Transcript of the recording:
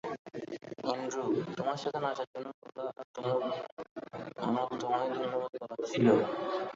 Andrew, তোমার সাথে নাচার জন্য লোলা আর আমার তোমায় ধন্যবাদ বলার ছিল।